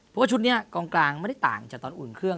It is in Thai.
เพราะว่าชุดนี้กองกลางไม่ได้ต่างจากตอนอุ่นเครื่อง